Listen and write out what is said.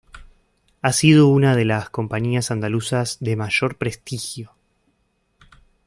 Ha sido una de las compañías andaluzas de mayor prestigio.